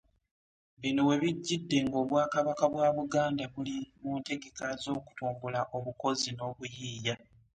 Bino we bijjidde ng'Obwakabaka bwa Buganda buli mu ntegeka z'okutumbula obukozi n'obuyiiya